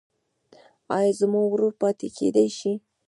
ایا زما ورور پاتې کیدی شي؟